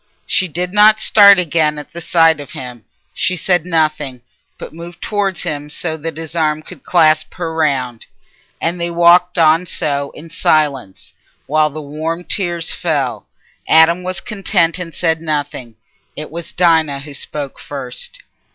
She did not start again at the sight of him; she said nothing, but moved towards him so that his arm could clasp her round. And they walked on so in silence, while the warm tears fell. Adam was content, and said nothing. It was Dinah who spoke first.